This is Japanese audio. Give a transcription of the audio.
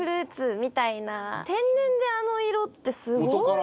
天然であの色ってすごい。